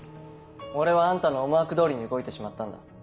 俺はあんたの思惑通りに動いてしまったんだ。